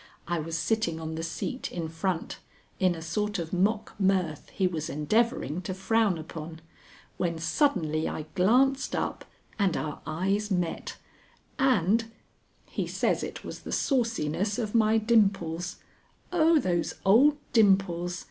I was sitting on the seat in front, in a sort of mock mirth he was endeavoring to frown upon, when suddenly I glanced up and our eyes met, and He says it was the sauciness of my dimples (oh, those old dimples!